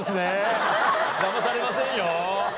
だまされませんよ。